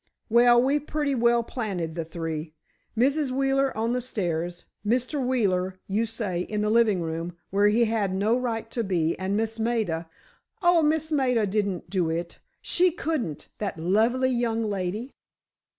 "Well, we've pretty well planted the three. Mrs. Wheeler on the stairs, Mr. Wheeler, you say, in the living room, where he had no right to be, and Miss Maida——" "Oh, Miss Maida didn't do it! She couldn't! That lovely young lady!"